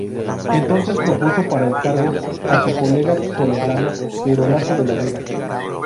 Entonces propuso para el cargo a su colega toledano Pero Laso de la Vega.